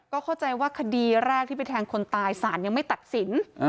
ก็เข้าใจว่าคดีแรกที่ไปแทงคนตายศาลยังไม่ตัดสิน